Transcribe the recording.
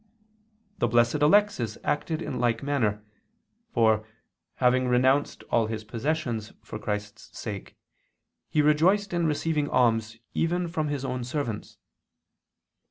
The Blessed Alexis acted in like manner, for, having renounced all his possessions for Christ's sake he rejoiced in receiving alms even from his own servants.